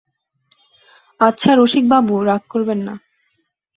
আচ্ছা রসিকবাবু, রাগ করবেন না।